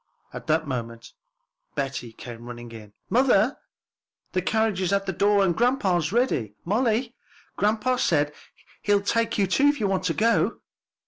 At that moment Betty came running in. "Mother, the carriage is at the door, and grandpa's ready. Molly, grandpa says he'll take you too, if you want to go."